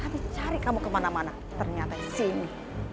kami cari kamu kemana mana ternyata disini